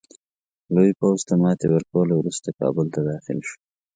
لوی پوځ ته ماتي ورکولو وروسته کابل ته داخل شو.